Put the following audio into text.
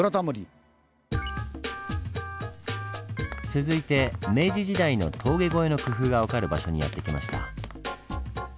続いて明治時代の峠越えの工夫が分かる場所にやって来ました。